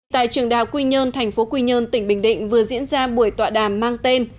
tại trường đào quy nhơn thành phố quy nhơn tỉnh bình định vừa diễn ra buổi tọa đàm mang tên